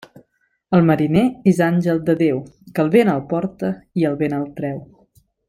El mariner és àngel de Déu, que el vent el porta i el vent el treu.